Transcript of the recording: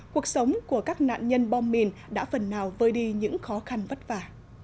cuộc sống của các nạn nhân bom mìn đã phần nào vơi đi những khó khăn vất vả